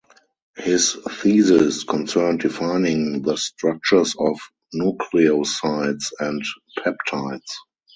His thesis concerned defining the structures of nucleosides and peptides.